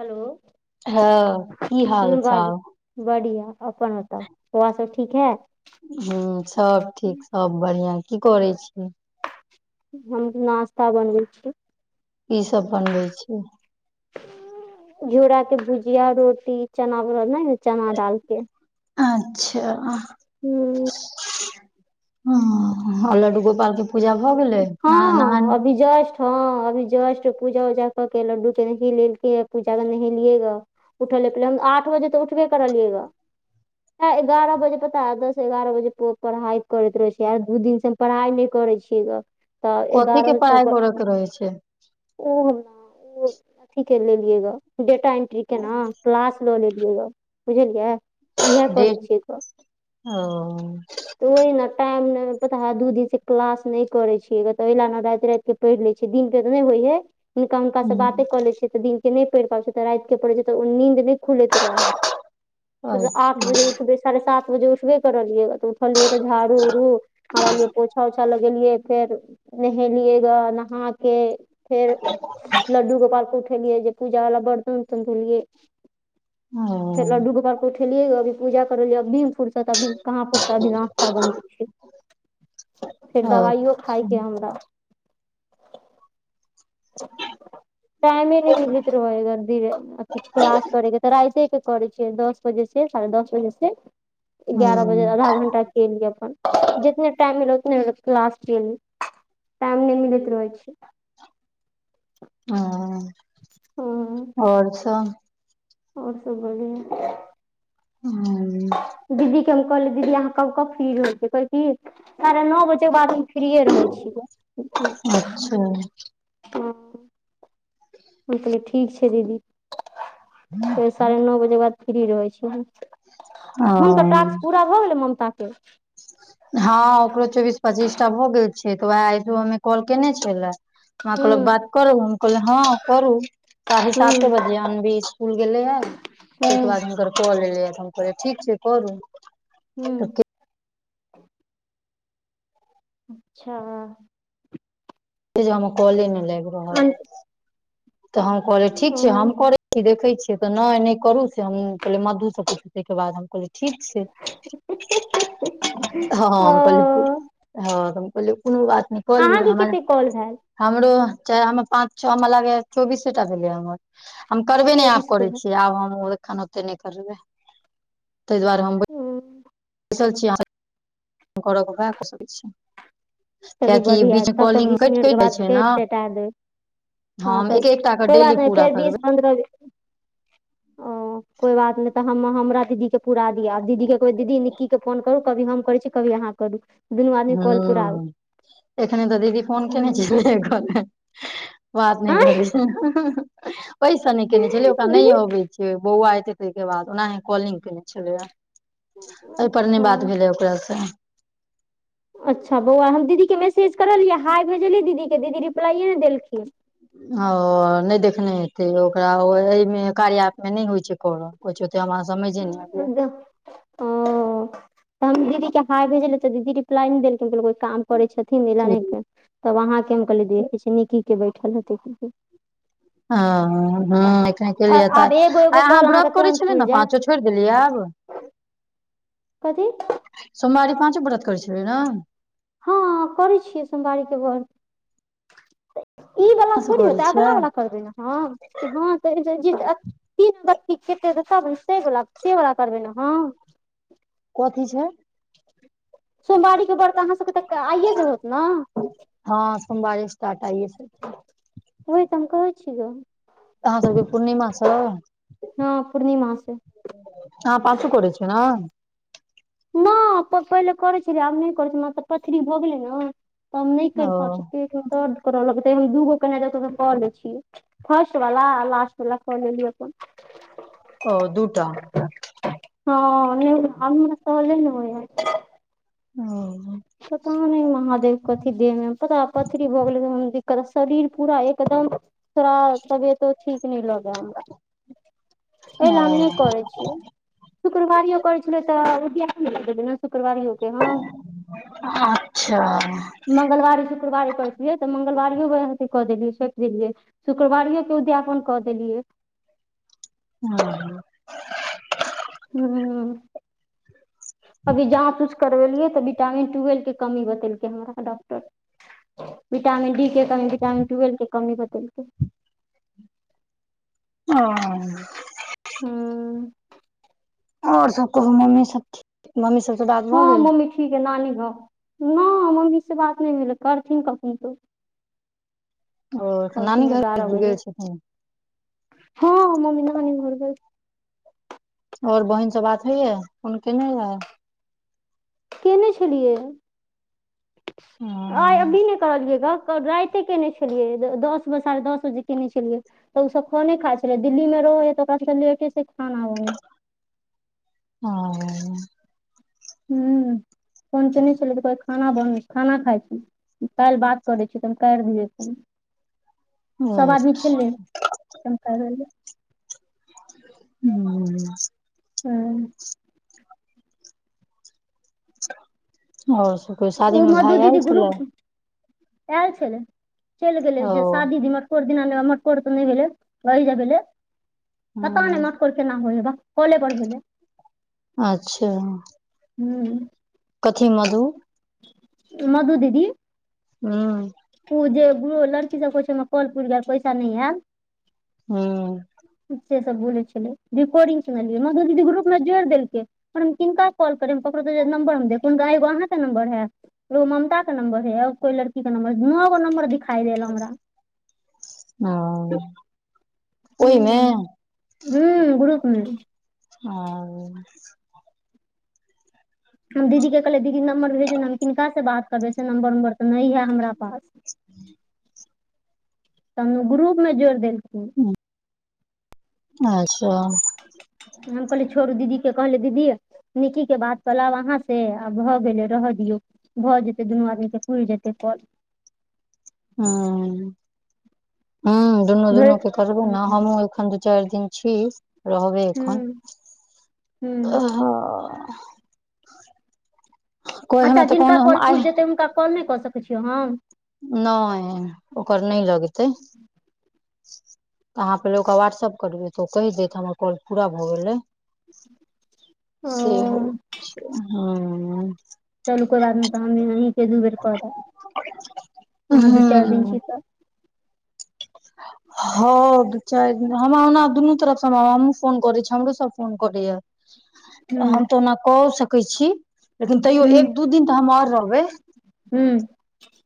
Hello. हां की ह बाजू हाल-चाल? बढ़िया अपन बताउ, बौआ सब ठीक हे। हां सब ठीक सब बढ़िया की करय छी। हम नास्ता बनबय छी। की सब बनबै छी। झोरा के भुजिया, रोटी, चना भरल नै हय चना दाल के अच्छा। ह हां अ लड्डू गोपाल के पूजा भऽ गेलय न नहान हँ अभी जस्ट हां अभी जस्ट पूजा-उजा क कै लड्डू के नहेलिए [unintelligible] पूजा के नहेलियए य। उठल लिए पहले हम आठ बजे तै उठबे करलिएग आय एगारा बजे पता ऐ दस एगारा बजे पढ़ाय करैत रहय छीयै आय दूई दिन से पढ़ाय नै करय छियै ग। तऽ कथी एगारह के बजे तक पढ़ाइ करा के रहय छै। ओ हमरा ओ अथी के लेलियै ग डेटा एंट्री के नै क्लास लऽ लेलिए यै बुझलिए उहै करय डेट छियै ग ओ ओहना टाइम नै पता ह दूई दिन से क्लास नै करय छियै ग ओहिलै नै राएत-राएत के पैढ़ लै छियै दिन के नै होय यै हिनका हुनका से बाते हूँ, कऽ ले छीयै तऽ दिन के नै पढ़ पाबय छीयै त राएत के पड़हय छीयै त ओ नींद नै खुलैत रहय हमर मतलब आठ अच्छा बजे उठबै साढ़े सात बजे उठबै करलिए तऽ उठलिए तऽ झाड़ू-उड़ू मारलिए पोछा-उछा लगेलिए। फेर नहेलिएगा नहा के फेर लड्डू गोपाल के उठेलियै जे पूजा बला बर्तन-उर्तन धोलियै। फेर ह लड्डू गोपाल के उठेलिए यै अभी पूजा करलिए अभी फुर त कभी कहाँ फुरसत, अभी नास्ता बनबय छीयै फेर दबाइयो खाय अच्छा के हमरा टाइमे नै मिलैत रहय [unintelligible] अथी क्लास करय के ते राइते कै करय छियै दस बजे से साढ़े दस बजे से एगारह बजे ह आधा घंटा दिन के अपन जेतने टाइम मिलत ओतने क्लास [unintelligible] टाइम नै मिलैत रहय छै। हां। हां। परछान आओर सब बढिया। हूं दीदी के हम कलै दीदी अहाँ कबकब फ्री रहै छियै? साढ़े नओ बजेके बाद हम फ्रिए रहैऽ छियै। अच्छा। हं- हम कलियै ठीक छै दीदी, फेर साढ़े नओ बजे बाद फ्री रहै छी हम्। हुनकर ह टास्क पूरा भऽ गेलै? ममता के? हँ ओकरो चौबीस- पच्चीस टा भऽ गेल छै तऽ उहै आय सुबह में कॉल केने छलै। हमरा कहलक बात हुँ करू, हम कहलियै हँ करू, साढ़े हुँ साते बजे अनबी कुल गेलैयैऽ, तय के हुँ बाद हुनकर कॉल एलैयै तऽ हम कहलियै ठीक छै करू। हूं- तऽ अच्छा। से जे हमर काउले नय लाइग रहल अन अय। तऽ हम कहलियै ठीक छै, ओ हम करैछी देखय छी, तऽ नय नय करू से हम पहिले मध्धु से पुइछ तै के बाद हम कहलियै ठीक छै। हँ हं -हम कहलियै कु हम कहलियै कोनो बात नय। कलियऽ, अहाँके हमर कते कॉल भेल हमरो चाहे हम पाँच छओ हमरा लागैयै चौबीसेटा भेलय हम्मर। हम करबे नय आब चौबीस गो करै भेल छियै, आब हम ओ खन ओते नय करबै। तय दुआरे हम हुँ बैसल छी [unintelligible] वैह क सकै छी। चलू कियाकि बढ़िआँ बीच तब तऽ कॉलिंग बीस कटि कटि मिनटके जाइ बाद छै फेर ने टेटा देब। हँ हम एक तब, एकटा के कोइ डेली बात नय पूरा फेर बीस- करबै पन्द्रहबे ओ कोइ बात नय तऽ हम- हमरा दीदी के पुरा दिआ, आब दीदीे कहबै दीदी निक्कीके फोन करू, कभी हम करै छी कभी अहाँ करू। दुनू आदमी कॉल पुराउ हूं, एखने तऽ दीदी फोन कने हुँ छय- [unintelligible] बात नय आँय करै छय ओइस नय केने छलै, ओकरा नय दीदी अबै छै। बौआ एत्तय तय के बाद, ओनाहि कॉलिंग केने छलैयैऽ। ओय पर नय अच्छा बात भेलै ओकरासँ। अच्छा बौआ हम, दीदी के मैसज करलियैऽ हाइ भेजलियै दीदी के, दीदी रिप्लाइये नय देलखिन। ओ, नय देखने हेतै, ओकरा अय मे -कार्या एप्म में नय होइ छै कर, कैछय त हमा समय हं, दा। ओ, तऽ हम दीदी के हाय भेजलियै तऽ दीदी रिप्लाई नय देलखिन। [unintelligible] काम करै छथिन, अयले नय कुनु, तब अहां के हम कहलियै देखैय छी निकी के बैठल हेतैकी कि हंहं एखने केलियै त आब एगो एगो आय अहाँ कॉल अहाँके व्रत करै तुरन्त छलियै पुरि ने जायत पाँचो? छोइर भेलियैऽ आब। कथी? सोमावारी पांचो ब्रत करै छलियै ने? हँ, करै छियै सोमवारी के ब्रत। ई वला कहाँ से थोड़ी करै हेतै छियै अगला वला करबै ने हम। हँ तऽ [unintelligible] से वला करबै ने हम कथी छय? सोमवारी के व्रत अहाँ सबके तऽ आइये से होएत ने हां सोमवारी स्टार्ट आइये से छै ओइ तऽ हम कहै छियै। अहाँ सबके पूर्णिमा स हँ पूर्णिमा से अहाॅं पाचो करै छियै नेय न पहिले करै छलियै आब नै करै छियै मतलब पथरी भऽ गेलै ने त हम नै कर ओ पाब छ छी पेट मे दर्द करऽ लगतै दूगो केने जा क ले छियै। फर्स्ट वला, लास्ट वला क ऽ ललियै अपन ओ दूटा हां हमरा सहले नै होइ यऽ ओह पता नै महादेव कथी देहमे पता ये पथरी भऽ गेलै उहो में दिक्कत शरीर पूरा एकदम थोड़ा तबियतो ठीक नै लगै हमरा एहिले हम नै करै छियै। शुक्रवारियो करै छलै तऽ ओद्यापन बिना शुक्रवारियो के हां अच्छा मंगलवारी शुक्रवारी करथियै तऽ मंगलवारियो अथी कऽ देलियै सोएप देलियै। शुक्रवारियो के उद्यापन कऽ देलियै। हां हां हूॅं अभी जहां कुछ करवेलियै तऽ विटामिन टुवेल्व के कमी बतेलकै हमरा डॉक्टर विटामिन डी के कमी, विटामन टूवेल्व के कमी बतेलकै। ओह हूॅं और सब कहूं मम्मी सब के मम्मी सबसे बात हां मम्मी ठीक हइ नानी घर नय मम्मी से बात नहि भेलै करथिन कखनो त [inaudible] ओ तऽ नानी घर गेल छथिन। हां मम्मी नानी घर गेल और बहिनसे बात होइ ये फोन केने रएह। केने छलिये आइ अभी नै करलिए राएत कते केने छलियै, दस बजे साढ़े दस बजे केने छलियै। तऽ ओसभ खोने खाइ छले, दिल्लीमे रहे त ओकरा सबके लेटे से खाना बने ओह हूं फोन केने छले अभी तक खाना बनबै खाना खाइ छी काल्हि बात करै छी तऽ हम काटि दियै फोन सभ आदमी अच्छा छेले त हम कर लेलियो हूॅं हूं और सब कोइ शादी उ मे मधु भाय आयल दीदी छलै ग्रुप आयल छलै, चलि गेलै ओ शादी दिना कोर दिना मे मटकोर त नैय भेलै अहिज भेले पत्ता नै हूँ मटकोर केना होइ ये भकक काॅले पर भैले। अच्छा हूँ। कथी मधु मधु दीदी। हुं। उ जे दुओ लड़की सब कहै छै हमर कॉल पुइर गैल पैसा नै आएल। हुं। से सब बोलै छलै, रिकॉर्डिंग सुनलिये मधु दीदी ग्रुप मे जोड़ देलकै। पर हम किनका कॉल करिये, हम ककरो देलिये नंबर हम देखबे नै, हुनकर एगो अहाँ के नंबर हय। एगो ममता के नंबर हय और कोय लड़की के नंबर हय, नौगो नम्बर दिख औ। हुं, हूँ ग्रुप मे। औ। हम दीदी के कहलियै दीदी नम्बर भेजु ने हम किनका से बात करबै से नम्बर-उम्बर तऽ नै या हमरा पास। तहन ग्रुप मे जोड़ देलखिन। अच्छा। हम कहलिये छोरु दीदी के कहलिये दीदी निक्की के बात क लेब अहाँ से आ भऽ गेलै रहा दियौ। भऽ जेतै दुनू आदमी के पुर जेतै कॉल। हां, हां भरि दुनू-दुनू के करबु नै हमु अखन जे चार दिन छी। रहबै एखन, हूँ हूँ हां। अच्छा कहन जिनका हम कॉल आइ पूर जेतै हुनका कॉल नै कऽ सकै छिये हम। नै ओकर नै लगते। तऽ अहाँ पहिले ओकरा व्हाट्सऐप करबै तऽ ओ कैह देत हमर कॉल पूरा भऽ गेलै। [unintelligible] ओ से होय छै, हुं। चलु कोय बात नै तहन हम अहीं से दू बेर करब, ह अहाँ दू-चार दिन छी ह त [inaudible] हां दू-चार दिन हमरा ओना आब दुनू तरफ से हमरा हमु फोन करै छी, हमरो सब फोन करैया। हम हूँ तऽ ओना कऽ ओ सकै छी, लेकिन तैयो एक-दू दिन तऽ हम और रहबै। हुं।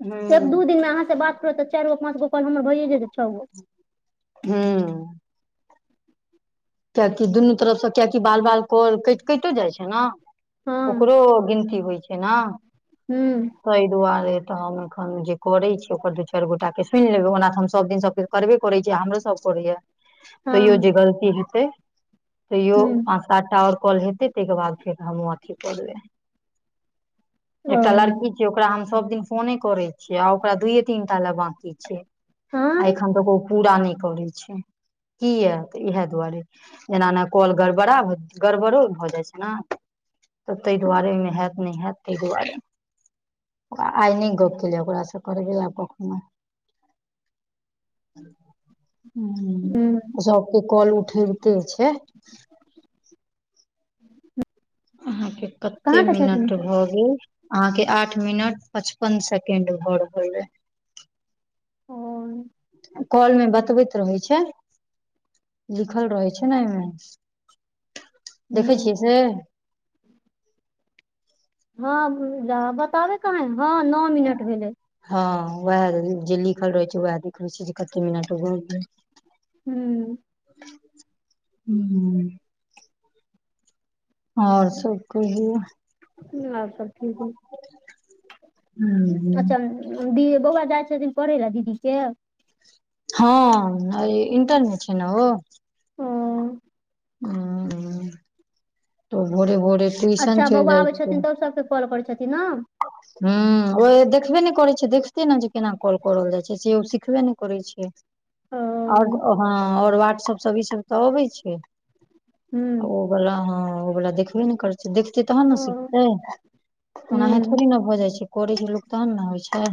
ह एक-दू दिन मे अहाँ से बात करब तऽ चारगो-पाँचगो कॉल हमर भ ए जेतै छगो। हुं। कियाकि दुनू तरफ से कियाकि बाल-बाल कॉल केट कैटे जाय छै ना। हँ ओकरो गिनती होय छै ना। हुं। तै दुआरे तऽ हम एखन जे करै छी ओकर दू-चार गोटा के सुन लेबै ओना तऽ हम सब दिन सबके करबे करै छै, हमरो सब करैया तैयो हँ जे गलती हेतै तैयो हूँ अहाँ आठटा और कॉल हेतै तै के बाद फेर हमु अथी करबेै। ओ एकटा लड़की छी ओकरा हम सब दिन फोने करे छियै आ ओकरा दुये-तीनटा लए बाकी छै। ए हँ एखन तक ओ पूरा नै करै छै किया तऽ इहाए दुआरे। ऐना नै कॉल गड़बड़ा भ गड़बड़ो भऽ जाय छै नै। तऽ तै दुआरे ओयमे हैत नै हैत तै दुआरे। अ आय नै गप्प केलये ओकरा से करबै आब कखनो। हूँ हूं सबके कॉल उठैबते छै। [inaudible] अहाँके कत्ते कहाँ के छथिन मिनट से भऽ गेल? अहाँके आठ मिनट पचपन सेकेंड भऽ रहल अय। ओ कॉल में बतबैत रहै छै लिखल रहै छै न अय में। देखै हूँ छियै से? हँ जा बताबै कहाँ है हँ नऽ मिनट भेलै। हँ वएह जे लिखल रहै छै उएह देखबय छै जे कत्ते मिनट भऽ गेल। हूं। हूं। और सब कहियौ। आर सब ठीक अय हम्म, अच्छा दी बौआ जाइ छथिन पढ़ै लए दीदी के? हँ ए इंटर में छै न ओ। ओ हूं तऽ ओ भोरे-भोरे ट्यूशन अच्छा चइल बौआ जाइ आबै छै। छथिन तब सबके कॉल करे छथिन न। हूं ओ ए देखबे नै करै छै देखतै न जे केना कॉल करल जाइ छै से ओ सिखबे नै करै छै। ओ और हँ और वाट्सप सब ईसभ तऽ अबै छै। हूं। बला हँ ओ वला देखबे नै करै छै देखतै तहन न सिखतै। ओनाहे हूँ थोड़ी न भऽ जाइ छै करै छै लोक तहन न होइ छै।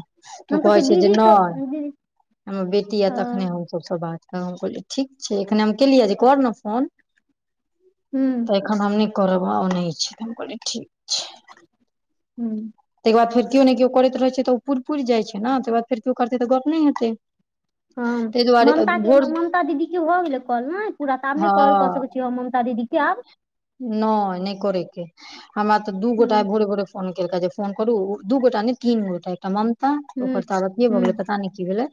तो हम कहै छियै छै जे दीदी नै के दीदी हमर बेटी एत हँ तखने हम सबसऽ बात करब हम कहलियै ठीक छै एखने हम केलियै जे कर न फोन। हूं। तऽ एखन हम नय करब ओ नय छै तऽ हम कहलियै ठीक छ हूं। तयके बाद फेर किओ नैय किओ करैत रहै छै तऽ ओ पुइर-पुइर जाइ छै न तकर बाद फेर किओ करतै तऽ गप नै हेतै। हँ। ताहि दुआरे ममता के भोर ममता दीदी के भऽ गेलै कॉल नाय पूरा तऽ आब नै कॉल कऽ सकै छी हम ममता दीदी के आब? नैय नैय करयके हमरा तऽ दू गोटा आइ हूँ भोरे-भोरे फोन केलका जे फोन करू दू गोटा नैय तीन गोटा एकटा ममता हूँ ओकर तऽ आब अथिए भऽ हूँ गेलै पता नै की भेलै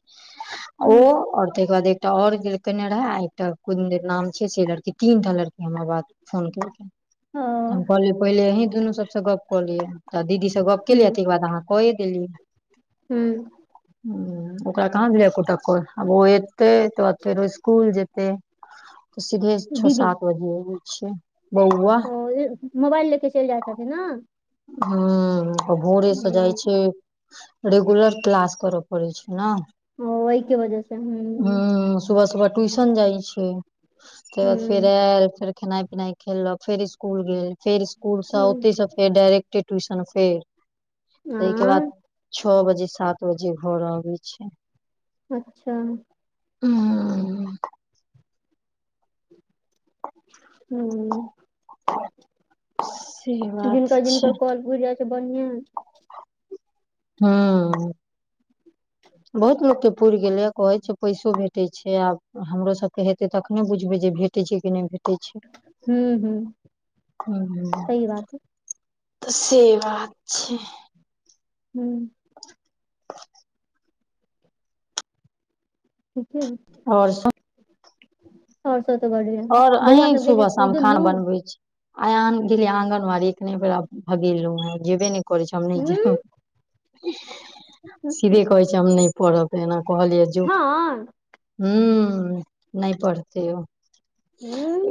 ओ हूँ और तै के बाद एक एकटा और जे केने रहै आ एकटा कोन दैन नाम छै से लड़की तीनटा लड़की हमरा बात फोन केलकै। ओ तऽ हम कहलियै पहिले अहीं दुनू सबसऽ गप कऽ लियै तऽ दीदी स से गप्प केलियै हूँ तयके बाद अहाँ कऽये देलियै। हूँ हूं ओकरा कहाँ भेलैया एक्कोटा कॉल आब ओ एतै तकर बाद फेरो स्कूल जेतै तऽ सीधे छ दीदी सात बजे अबै छियै। बौआ ओ ले मोबाइल लेके चइल जाइत हेथिन न? हूं भोरे स जाइ ने छै रेगुलर क्लास करऽ पड़ै छै न। ओ अयके वजह से हूं। सुबह-सुबह ट्यूशन जाय छै तयके बाद फेर हूँ एल फेर खेनाई-पिनाई खेलक फेर स्कूल गेल फेर स्कूल स ओतै स फेर डायरेक् ट्यूशन फेर, ताहिके बाद, हँ छओ बजे सात रोजे घर आबै छै, अच्छा हँ। ह, से बात जिनका- जिनकर काँल पूर जाय छै, बढिआ। हू। बहुत लोकके पुर गेलै, कहै छै पैसो भेटैत छै, आब हमरो सभके हेतै तखने बुझबै जे भेट भेटै छै कि नहि भेटै छै, हूँ हूँ ह। सही बात है तऽ से बात छै। हूँ। ठीके हेतई। आओर सब? और सब त बढिया। और अहीं सुबह, शाम खाना बनबै छी? आयान गेले आंगनबाड़ी, अखने ओकरा भगेलु है, जेबे ने करै छै, हम नहि हूँ जैब, सीधे कहै छै म नहि पढ़ब, एना कहलियै जो। हँ हू, नहि पढ़ते ओ। हँ। एक [unintelligible]